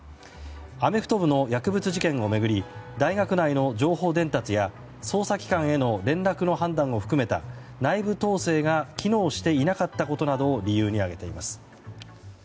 アメフト部の薬物事件を巡り大学内の情報伝達や捜査機関への連絡の判断を含めた内部統制が機能していなかったことなどを理由に挙げています。